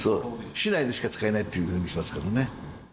市内でしか使えないというふうにしてますからね。